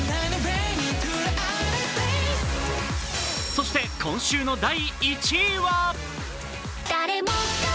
そして今週の第１位は？